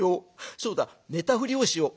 そうだ寝たふりをしよう。